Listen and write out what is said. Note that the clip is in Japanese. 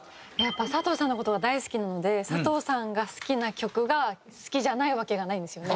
佐藤さんの事が大好きなので佐藤さんが好きな曲が好きじゃないわけがないんですよね。